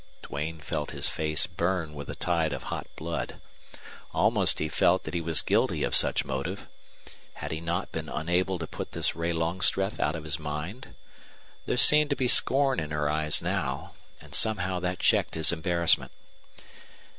Duane felt his face burn with a tide of hot blood. Almost he felt that he was guilty of such motive. Had he not been unable to put this Ray Longstreth out of his mind? There seemed to be scorn in her eyes now. And somehow that checked his embarrassment.